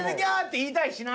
て言いたいしな。